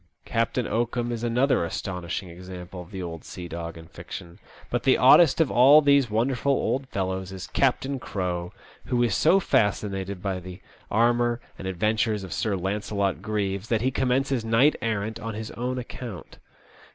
Captain Oakum is another astonishing ex ample of the old sea dog in fiction ; hut the oddest of all these wonderful old fellows is Captain Crowe, who is so fascinated by the armour and adventures of Sir Launcelot Greaves, that he commences knight errant on his own account.